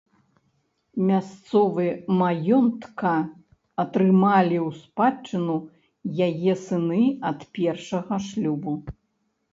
Мясцовы маёнтка атрымалі ў спадчыну яе сыны ад першага шлюбу.